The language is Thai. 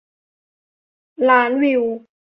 ล้านวิว